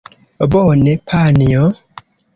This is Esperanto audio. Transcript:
Bone, Janjo?